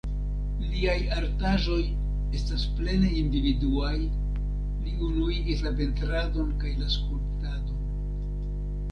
Liaj artaĵoj estas plene individuaj, li unuigis la pentradon kaj la skulptadon.